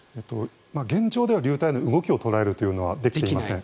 現状では流体の動きを捉えることはできません。